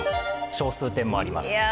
小数点もあります。